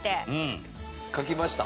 書きました。